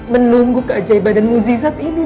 menunggu keajaiban muzizat ini